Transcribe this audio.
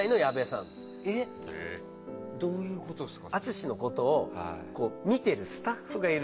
どういうことですか？